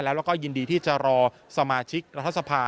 แล้วก็ยินดีที่จะรอสมาชิกรัฐสภา